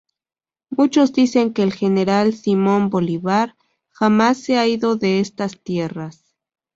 Muchos dicen que el General Simón Bolívar jamás se ha ido de estas tierras.